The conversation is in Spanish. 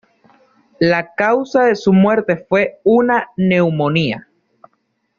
La causa de su muerte fue una neumonía.